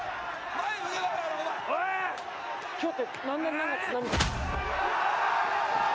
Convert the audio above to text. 「今日って何年何月何日？」